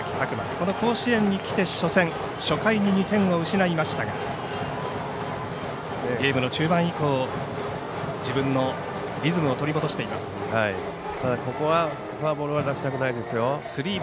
この甲子園に来て初戦初回に２点を失いましたがゲームの中盤以降自分のリズムを取り戻しています。